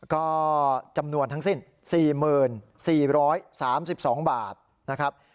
ก็จำนวนทั้งสิ้น๔๔๓๒บาทนะครับ